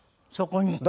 そこに？